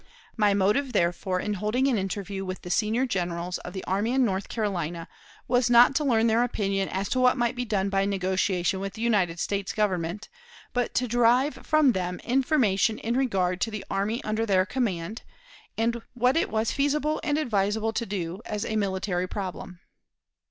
My motive, therefore, in holding an interview with the senior generals of the army in North Carolina was not to learn their opinion as to what might be done by negotiation with the United States Government, but to derive from them information in regard to the army under their command, and what it was feasible and advisable to do as a military problem.